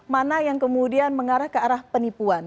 mana yang kemudian mengarah ke arah penipuan